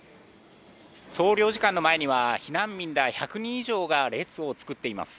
総領事館の前には避難民が１００人以上が列を作っています。